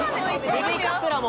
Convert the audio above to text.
ベビーカステラも？